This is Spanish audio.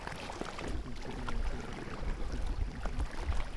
Falleció en Sevilla, al ser arrollado su coche por un camión.